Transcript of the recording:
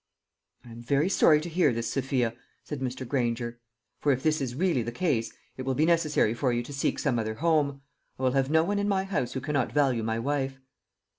"I am very sorry to hear this, Sophia," said Mr. Granger, "for if this is really the case, it will be necessary for you to seek some other home. I will have no one in my house who cannot value my wife."